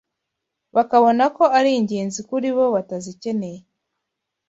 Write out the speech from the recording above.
bakabona ko ari ingenzi kuri bo, batazikeneye